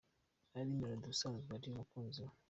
ari Meddy usanzwe ari umukunzi we.